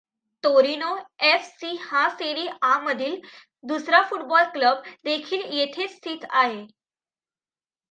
Torino F. C. हा सेरी आमधील दुसरा फुटबॉल क्लब देखील येथेच स्थित आहे.